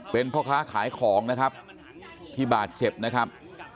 เป็นพ่อค้าขายของนะครับที่บาดเจ็บนะครับ